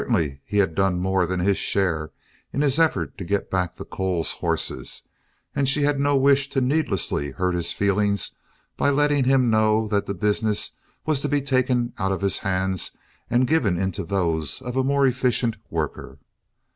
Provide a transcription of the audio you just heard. Certainly he had done more than his share in his effort to get back the Coles horses and she had no wish to needlessly hurt his feelings by letting him know that the business was to be taken out of his hands and given into those of a more efficient worker.